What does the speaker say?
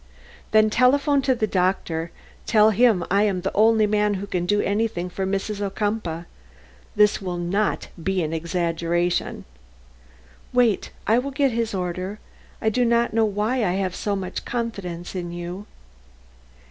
"Then telephone to the doctor. Tell him I am the only man who can do anything for Mrs. Ocumpaugh. This will not be an exaggeration." "Wait! I will get his order. I do not know why I have so much confidence in you."